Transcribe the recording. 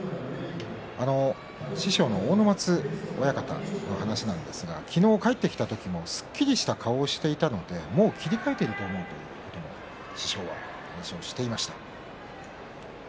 師匠の阿武松親方の話なんですが昨日帰ってきた時もすっきりした顔をしていたのでもう切り替えていると思うと師匠は話をしていました。